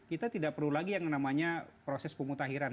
kita tidak perlu lagi yang namanya proses pemutahiran